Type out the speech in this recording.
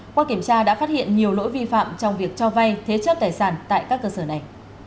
qua kiểm tra đã phát hiện nhiều lỗi vi phạm trong việc cho vay thế chấp tài sản tại các cơ sở này